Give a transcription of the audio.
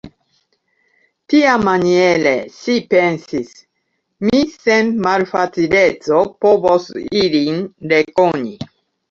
Tiamaniere, ŝi pensis, mi sen malfacileco povos ilin rekoni.